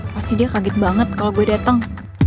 pasti dia kaget banget kalo gue dateng